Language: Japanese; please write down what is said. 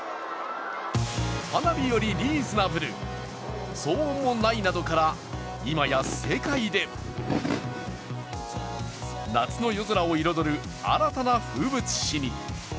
花火よりリーズナブル騒音もないなどから今や世界で夏の夜空を彩る、新たな風物詩に。